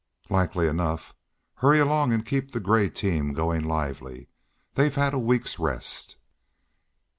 "Likely enough. Hurry along and keep the gray team going lively. They've had a week's rest."